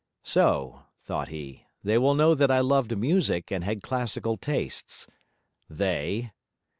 'So,' thought he, 'they will know that I loved music and had classical tastes. They?